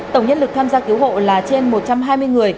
tổng nhân lực tham gia cứu hộ là trên một trăm hai mươi người